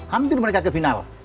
hampir mereka ke final